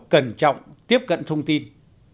cẩn trọng tiếp cận thông tin